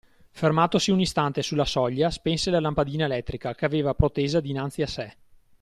Fermatosi un istante sulla soglia, spense la lampadina elettrica, che aveva protesa dinanzi a sé.